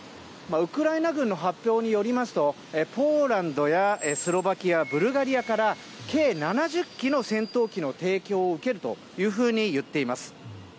ウクライナ軍の発表によりますとポーランドやスロバキアブルガリアから計７０機の戦闘機の提供を受けるというふうに言っています。